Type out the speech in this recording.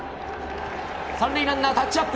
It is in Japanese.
３塁ランナータッチアップ。